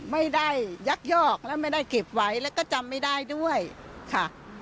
ยักยอกและไม่ได้เก็บไว้แล้วก็จำไม่ได้ด้วยค่ะ